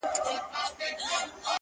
د سترگو توره سـتــا بـلا واخلـمـه.!